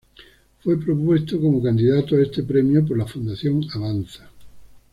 Fue propuesto como candidato a este premio por la Fundación Avanza.